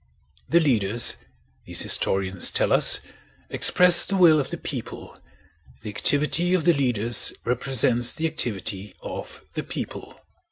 The leaders, these historians tell us, express the will of the people: the activity of the leaders represents the activity of the people.